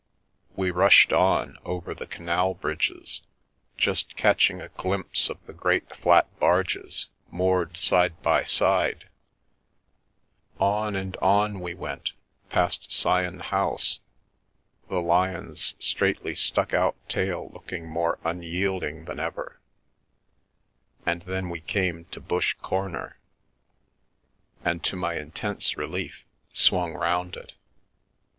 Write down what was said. We rushed on, over the canal bridges, just catching a glimpse of the great flat barges moored side by side, on and on we went, past Syon House, the lion's straightly stuck out tail looking more unyielding than ever, and then we came to Busch Corner, and, to my intense relief, swung round it.